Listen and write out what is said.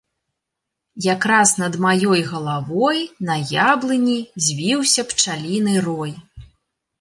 Якраз над маёй галавой на яблыні звіўся пчаліны рой.